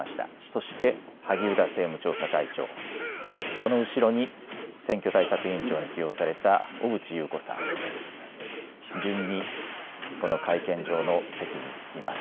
そして萩生田政務調査会長、その後ろに、選挙対策委員長に起用された小渕優子さん、順にこの会見場の席に着きます。